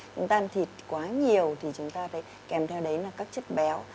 chúng ta ăn thịt quá nhiều thì chúng ta thấy kèm theo đấy là các chất béo